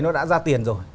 nó đã ra tiền rồi